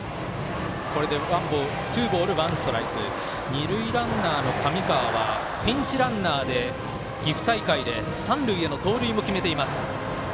二塁ランナーの神川はピンチランナーで、岐阜大会で三塁への盗塁も決めています。